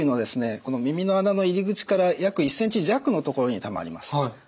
この耳の穴の入り口から約１ｃｍ弱のところにたまります。